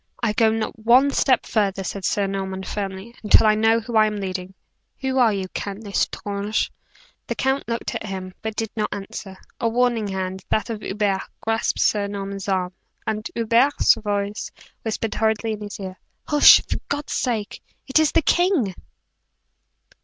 "I go not one step further," said Sir Norman, firmly, "until I know who I am leading. Who are you, Count L'Estrange?" The count looked at him, but did not answer. A warning hand that of Hubert grasped Sir Norman's arm; and Hubert's voice whispered hurriedly in his ear: "Hush, for God's sake! It is the king!"